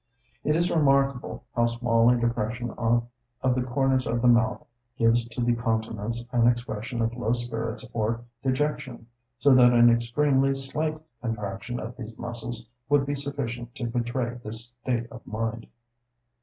It is remarkable how small a depression of the corners of the mouth gives to the countenance an expression of low spirits or dejection, so that an extremely slight contraction of these muscles would be sufficient to betray this state of mind.